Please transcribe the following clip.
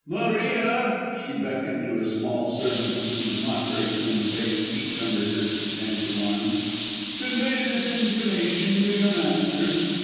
Maria!" she beckoned to a small servant whose not very clean face peeped under her substantial arm, "convey this intimation to your master.